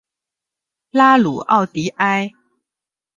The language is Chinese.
拉鲁奥迪埃。